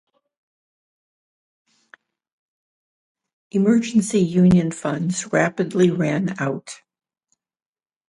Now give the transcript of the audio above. Emergency union funds rapidly ran out.